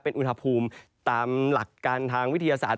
เป็นอุณหภูมิตามหลักการทางวิทยาศาสตร์